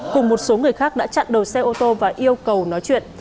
cùng một số người khác đã chặn đầu xe ô tô và yêu cầu nói chuyện